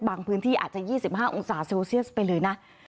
พื้นที่อาจจะ๒๕องศาเซลเซียสไปเลยนะ